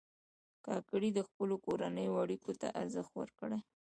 کاکړي د خپلو کورنیو اړیکو ته ارزښت ورکوي.